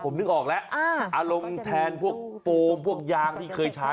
ผมนึกออกแล้วอารมณ์แทนพวกโฟมพวกยางที่เคยใช้